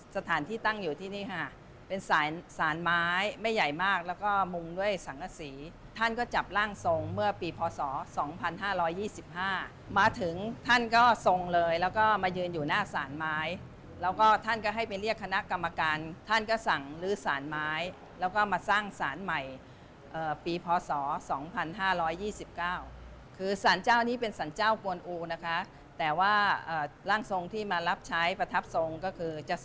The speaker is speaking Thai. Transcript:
สถานที่ตั้งอยู่ที่นี่ค่ะเป็นสารสารไม้ไม่ใหญ่มากแล้วก็มุงด้วยสังกษีท่านก็จับร่างทรงเมื่อปีพศ๒๕๒๕มาถึงท่านก็ทรงเลยแล้วก็มายืนอยู่หน้าสารไม้แล้วก็ท่านก็ให้ไปเรียกคณะกรรมการท่านก็สั่งลื้อสารไม้แล้วก็มาสร้างสารใหม่ปีพศ๒๕๒๙คือสารเจ้านี้เป็นสารเจ้ากวนอูนะคะแต่ว่าร่างทรงที่มารับใช้ประทับทรงก็คือจะส